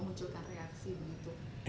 memunculkan reaksi begitu